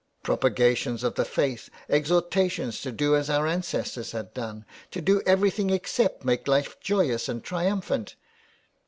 Propagations of the faith, exhor tations to do as our ancestors had done, to do everything except make life joyous and triumphant."